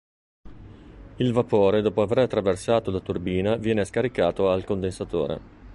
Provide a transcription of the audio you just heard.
Il vapore dopo aver attraversato la turbina viene scaricato al condensatore.